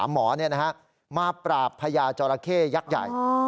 หมอมาปราบพญาจอราเข้ยักษ์ใหญ่